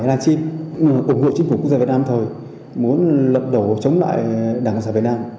làn chim ủng hộ chính phủ quốc gia việt nam lâm thời muốn lập đổ chống lại đảng cộng sản việt nam